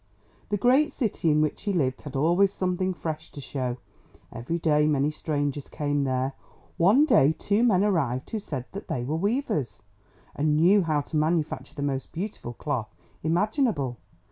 The great city in which he lived had always something fresh to show; every day many strangers came there. One day two men arrived who said that they were weavers, and knew how to manufacture the most beautiful cloth imaginable.